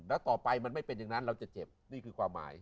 แล้วต่อไปมันไม่เป็นอย่างนั้นเราจะเจ็บนี่คือความหมาย